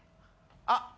あっ。